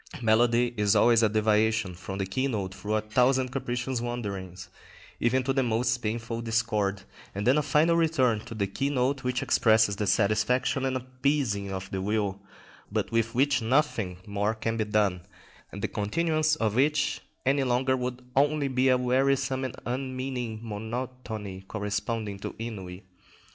Melody is always a deviation from the keynote through a thousand capricious wanderings, even to the most painful discord, and then a final return to the keynote which expresses the satisfaction and appeasing of the will, but with which nothing more can then be done, and the continuance of which any longer would only be a wearisome and unmeaning monotony corresponding to ennui.